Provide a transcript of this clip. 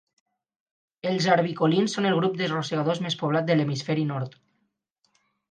Els arvicolins són el grup de rosegadors més poblat de l'hemisferi nord.